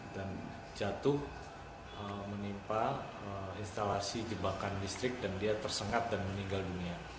jatuh menimpa instalasi jebakan listrik dan dia tersengat dan meninggal dunia